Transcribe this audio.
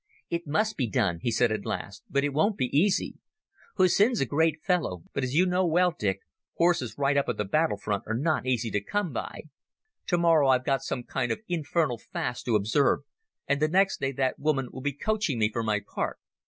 "It must be done," he said at last, "but it won't be easy. Hussin's a great fellow, but as you know well, Dick, horses right up at the battle front are not easy to come by. Tomorrow I've got some kind of infernal fast to observe, and the next day that woman will be coaching me for my part.